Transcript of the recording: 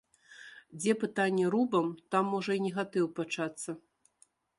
Дзе пытанне рубам, там можа і негатыў пачацца.